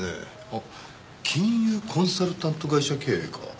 あっ金融コンサルタント会社経営か。